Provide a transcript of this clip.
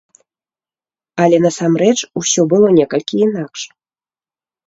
Але насамрэч усё было некалькі інакш.